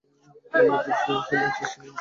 Magnetic shielding system on করা হয়েছে।